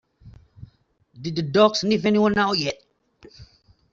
Did the dog sniff anyone out yet?